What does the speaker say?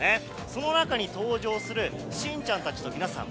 その中に登場するしんちゃんたちと皆さん